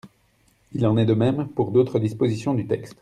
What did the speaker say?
Il en est de même pour d’autres dispositions du texte.